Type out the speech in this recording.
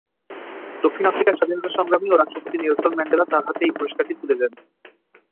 দক্ষিণ আফ্রিকার স্বাধীনতা সংগ্রামী ও রাষ্ট্রপতি নেলসন ম্যান্ডেলা তার হাতে এই পুরস্কারটি তুলে দেন।